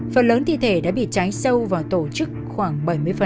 phần lớn thi thể đã bị cháy sâu vào tổ chức khoảng bảy mươi